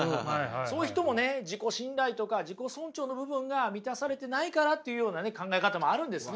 そういう人もね自己信頼とか自己尊重の部分が満たされてないからというような考え方もあるんですね。